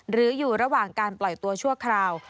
หรืออยู่ระหว่างการปล่อยตัวชั่วคราว